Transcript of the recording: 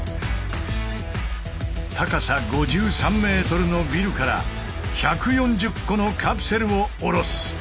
高さ５３ｍのビルから１４０個のカプセルを下ろす。